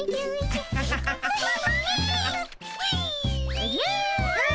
おじゃ。わ。